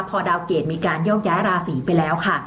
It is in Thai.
พอดาวเกรดมีการโยกย้ายราศีไปแล้วค่ะ